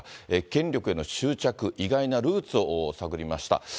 権力への執着、意外なルーツを探りました。